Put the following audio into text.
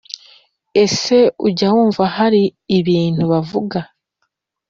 Ese ujya wumva hari ibintu bavuga